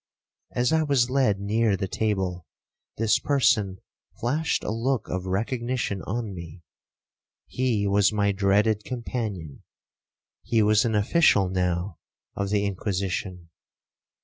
As I was led near the table, this person flashed a look of recognition on me,—he was my dreaded companion,—he was an official now of the Inquisition.